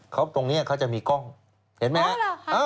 เขาตรงนี้เขาจะมีกล้องเห็นไหมครับ